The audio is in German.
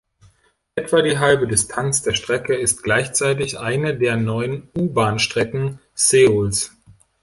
Etwa die halbe Distanz der Strecke ist gleichzeitig eine der neun U-Bahnstrecken Seouls.